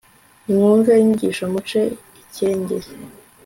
nimwumve inyigisho, muce akenge